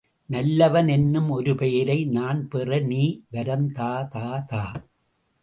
நல்லவன் என்னும் ஒருபெயரை நான்பெற நீ வரம் தா தா தா.